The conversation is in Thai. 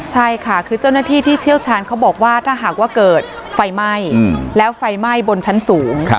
ใช่ค่ะคือเจ้าหน้าที่ที่เชี่ยวชาญเขาบอกว่าถ้าหากว่าเกิดไฟไหม้แล้วไฟไหม้บนชั้นสูง